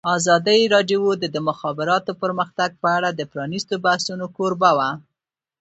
ازادي راډیو د د مخابراتو پرمختګ په اړه د پرانیستو بحثونو کوربه وه.